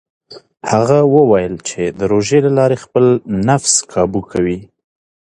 هغه وویل چې د روژې له لارې خپل نفس کابو کوي.